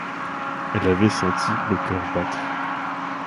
Elle avait senti le coeur battre.